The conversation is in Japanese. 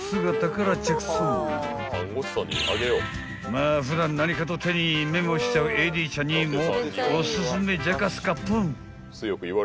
［まあ普段何かと手にメモしちゃうＡＤちゃんにもおすすめジャカスカプン］